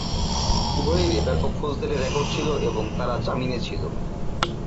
উভয়েরই ব্যাপক ফৌজদারি রেকর্ড ছিল এবং তারা জামিনে ছিল।